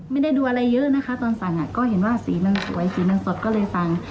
ไม่ได้ดูอะไรเยอะนะฮะตอนสั่งอ่ะก็เห็นว่ามีว่าสีมันสวยสักก็เลยสั่ง